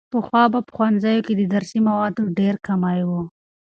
پخوا به په ښوونځیو کې د درسي موادو ډېر کمی و.